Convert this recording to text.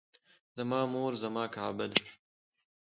زما مور زما کعبه ده